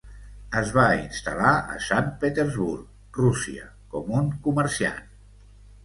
Es va instal·lar a Sant Petersburg, Rússia, com un comerciant.